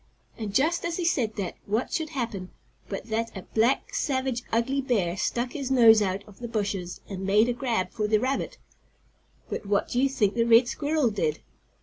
And, just as he said that, what should happen but that a black, savage, ugly bear stuck his nose out of the bushes and made a grab for the rabbit. But what do you think the red squirrel did?